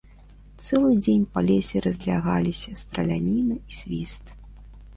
Цэлы дзень па лесе разлягаліся страляніна і свіст.